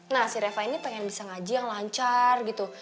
nah si reva ini pengen bisa ngaji yang lancar gitu